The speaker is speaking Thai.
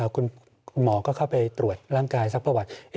คุณหมอก็เข้าไปตรวจร่างกายซักประวัติ